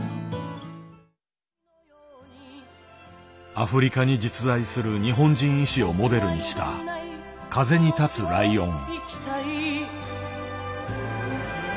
アフリカに実在する日本人医師をモデルにした「風に立つライオン」。